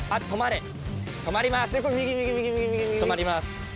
止まります。